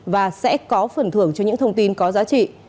và sẽ có phần thưởng cho những thông tin có giá trị